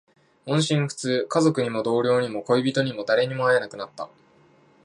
音信不通。家族にも、同僚にも、恋人にも、誰にも会えなくなった。